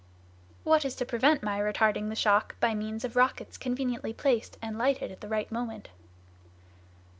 "What is to prevent my retarding the shock by means of rockets conveniently placed, and lighted at the right moment?"